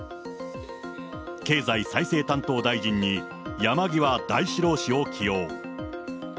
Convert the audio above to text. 経済再生担当大臣に山際大志郎氏を起用。